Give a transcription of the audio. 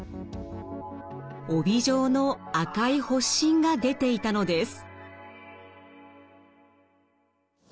帯状の赤い発疹が出ていたのです。